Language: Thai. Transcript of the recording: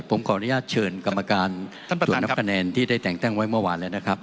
ผมขออนุญาตเชิญกรรมการตรวจนับคะแนนที่ได้แต่งตั้งไว้เมื่อวานแล้วนะครับ